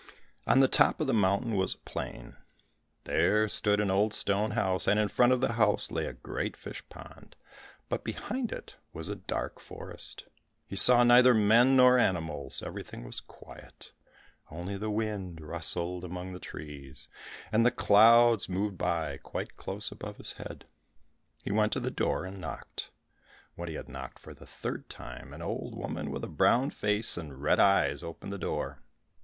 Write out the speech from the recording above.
On the top of the mountain was a plain; there stood an old stone house, and in front of the house lay a great fish pond, but behind it was a dark forest. He saw neither men nor animals, everything was quiet; only the wind rustled amongst the trees, and the clouds moved by quite close above his head. He went to the door and knocked. When he had knocked for the third time, an old woman with a brown face and red eyes opened the door.